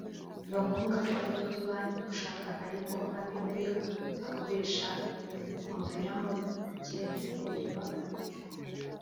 biba ngombwa ko ajya kuri banki gushaka aye ngo abe ariyo akoresha; bimuviramo gukererwa gutyo